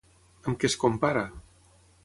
Amb què es compara?